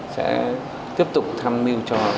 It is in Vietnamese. sẽ tiếp tục tham mưu cho